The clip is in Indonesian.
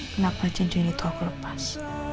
kenapa janji itu aku lepas